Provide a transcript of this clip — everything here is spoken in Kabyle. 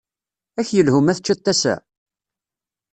Ad k-yelhu ma teččiḍ tasa?